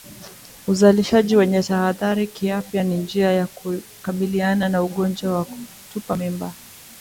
Uzalishaji wenye tahadhari kiafya ni njia ya kukabiliana na ugonjwa wa kutupa mimba